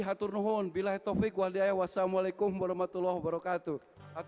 haturnuhun bilai taufik walidaya wassalamualaikum warahmatullahi wabarakatuh